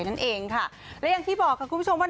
นั่นเองค่ะและอย่างที่บอกค่ะคุณผู้ชมว่า